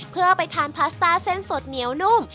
เพื่อไปทานพาสต้าเส้นสดเหนียวนุ่ม